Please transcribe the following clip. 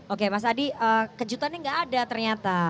oke mas adi kejutannya nggak ada ternyata